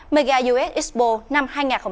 mega us expo năm hai nghìn hai mươi ba